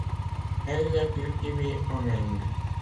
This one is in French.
Elle est cultivée en Inde.